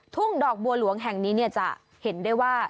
ทุ่งดอกบัวหลวงแห่งนี้จะเห็นได้ว่า